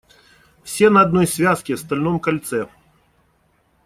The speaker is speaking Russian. Все на одной связке, в стальном кольце.